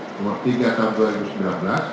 nomor tiga tahun dua ribu sembilan belas